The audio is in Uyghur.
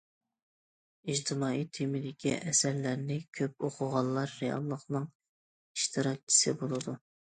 ئىجتىمائىي تېمىدىكى ئەسەرلەرنى كۆپ ئوقۇغانلار رېئاللىقنىڭ ئىشتىراكچىسى بولىدۇ.